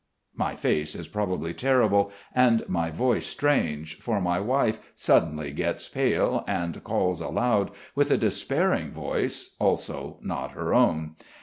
My face is probably terrible, and my voice strange, for my wife suddenly gets pale, and calls aloud, with a despairing voice, also not her own.